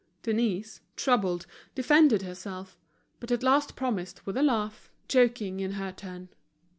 Denise, troubled, defended herself; but at last promised, with a laugh, joking in her turn.